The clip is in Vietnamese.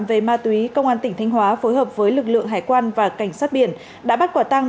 về ma túy công an tỉnh thanh hóa phối hợp với lực lượng hải quan và cảnh sát biển đã bắt quả tăng